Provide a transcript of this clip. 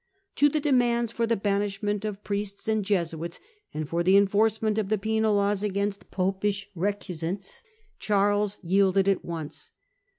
To the demands for the banishment of priests and Jesuits, and for the enforcement of the penal laws against Popish recusants, Charles yielded at once.